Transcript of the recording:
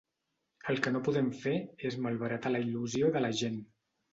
El que no podem fer és malbaratar la il·lusió de la gent.